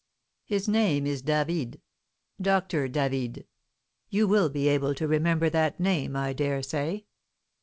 His name is David, Doctor David, you will be able to remember that name, I dare say."